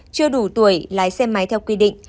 chưa đủ tuổi lái xe máy theo quy định